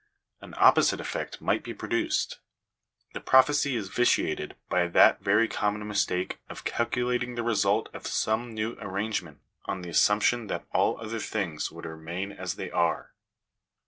An opposite effect might be produced. The prophecy is vitiated by that very common mistake of calculating the result of some new arrangement on the assumption that all other things would remain as they are.